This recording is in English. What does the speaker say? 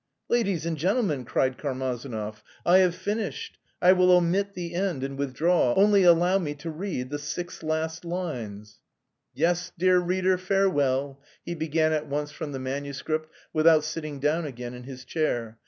"Ladies and gentlemen," cried Karmazinov, "I have finished. I will omit the end and withdraw. Only allow me to read the six last lines: "Yes, dear reader, farewell!" he began at once from the manuscript without sitting down again in his chair.